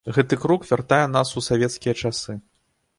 Гэты крок вяртае нас у савецкія часы.